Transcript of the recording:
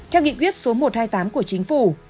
theo nghị quyết số một trăm hai mươi tám của chính phủ